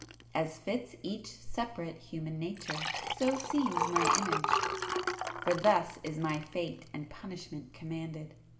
As fits each separate human nature, so seems my image,—for thus is my fate and punishment commanded.